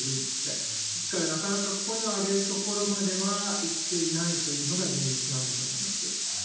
ですから、なかなか声を上げるところまではいっていないというのが現実なんだと思います。